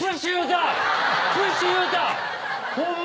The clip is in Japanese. ホンマ？